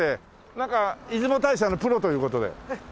なんか出雲大社のプロという事で。